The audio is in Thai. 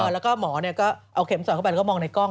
แล้วก็หมอก็เอาเข็มสอดเข้าไปแล้วก็มองในกล้อง